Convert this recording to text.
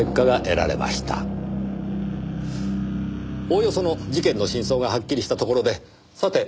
おおよその事件の真相がはっきりしたところでさて